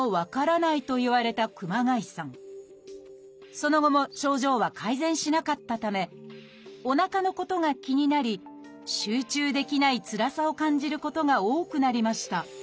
その後も症状は改善しなかったためおなかのことが気になり集中できないつらさを感じることが多くなりました